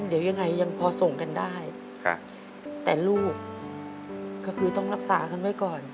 เดี๋ยวยังไงยังพอส่งกันได้แต่ลูกก็คือต้องรักษากันไว้ก่อน